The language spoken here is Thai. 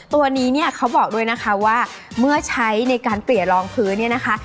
ตัวนี้เนี่ยเขาบอกด้วยนะคะว่าเมื่อใช้ในการเปลี่ยนรองพื้นเนี่ยนะคะ